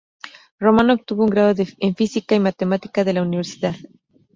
Román obtuvo un grado en Física y Matemática de la Universidad.